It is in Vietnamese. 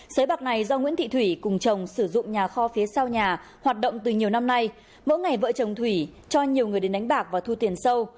sới bạc này do nguyễn thị thủy cùng chồng sử dụng nhà kho phía sau nhà hoạt động từ nhiều năm nay mỗi ngày vợ chồng thủy cho nhiều người đến đánh bạc và thu tiền sâu